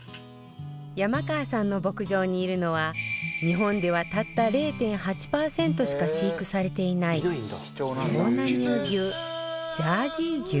山川さんの牧場にいるのは日本ではたった ０．８ パーセントしか飼育されていない希少な乳牛ジャージー牛